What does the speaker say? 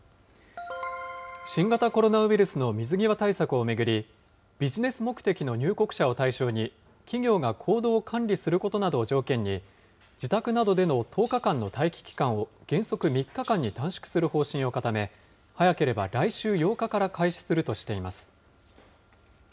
新型コロナウイルスの水際対策を巡り、ビジネス目的の入国者を対象に、企業が行動を管理することなどを条件に、自宅などでの１０日間の待機期間を原則３日間に短縮する方針を固め、早ければ来週８日から開始するとしています。